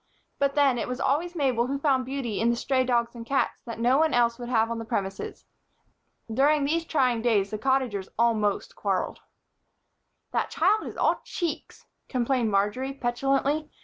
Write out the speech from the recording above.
But then, it was always Mabel who found beauty in the stray dogs and cats that no one else would have on the premises. During these trying days the Cottagers almost quarreled. "That child is all cheeks," complained Marjory, petulantly.